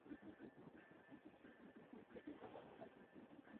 北総開発鉄道